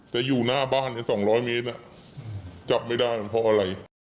แต่อยู่หน้าบ้าน๒๐๐เมตรจับไม่ได้มันเพราะอะไร